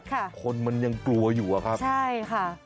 คนมันยังกลัวอยู่อะครับใช่ค่ะ